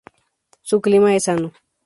Su clima es sano.